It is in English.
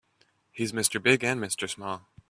He's Mr. Big and Mr. Small.